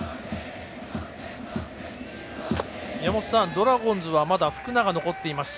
ドラゴンズはまだ福永が残っています。